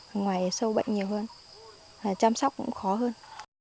ở ngoài sâu bệnh nhiều hơn chăm sóc cũng khó hơn